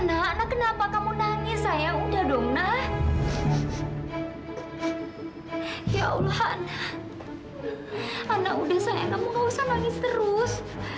ana udah sayang kamu nggak usah nangis terus